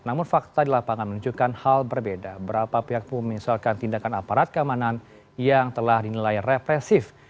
namun fakta di lapangan menunjukkan hal berbeda berapa pihak pun menyesalkan tindakan aparat keamanan yang telah dinilai represif